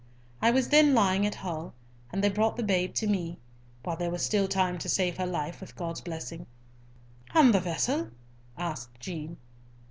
I was then lying at Hull, and they brought the babe to me, while there was still time to save her life, with God's blessing." "And the vessel?" asked Jean.